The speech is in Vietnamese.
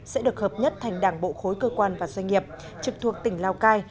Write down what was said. sẽ được hợp nhất thành đảng bộ khối cơ quan và doanh nghiệp trực thuộc tỉnh lào cai